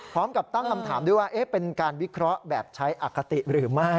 พร้อมกับตั้งคำถามด้วยว่าเป็นการวิเคราะห์แบบใช้อคติหรือไม่